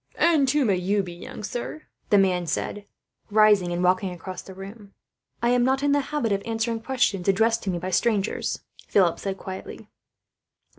"And who may you be, young sir?" the man said, rising and walking across the room. "I am not in the habit of answering questions addressed to me by strangers," Philip said quietly.